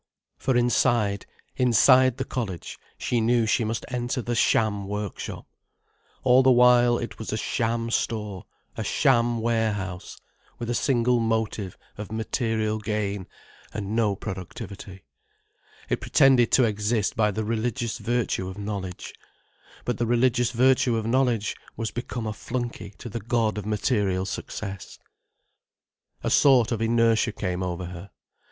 For inside, inside the college, she knew she must enter the sham workshop. All the while, it was a sham store, a sham warehouse, with a single motive of material gain, and no productivity. It pretended to exist by the religious virtue of knowledge. But the religious virtue of knowledge was become a flunkey to the god of material success. A sort of inertia came over her.